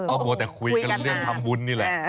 ก็มัวแต่คุยกันเรื่องทำบุญนี่แหละ